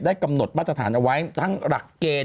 กำหนดมาตรฐานเอาไว้ทั้งหลักเกณฑ์